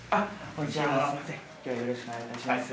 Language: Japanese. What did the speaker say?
今日はよろしくお願いいたします。